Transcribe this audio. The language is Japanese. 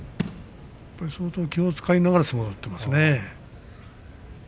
相当、気を遣いながら相撲を取っていますね。